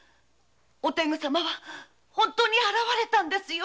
お天狗様は本当に現れたんですよ。